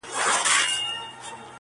نشه لري مستي لري په عیبو کي یې نه یم,